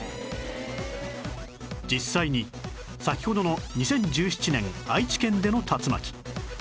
実際に先ほどの２０１７年愛知県での竜巻